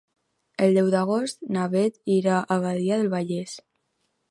El deu d'agost na Beth irà a Badia del Vallès.